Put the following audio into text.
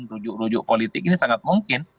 rujuk rujuk politik ini sangat mungkin